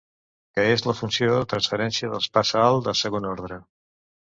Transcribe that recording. Que és la funció de transferència dels passaalt de segon orde.